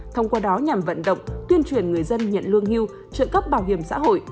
thông qua đó nhằm vận động tuyên truyền người dân nhận lương hưu trợ cấp bảo hiểm xã hội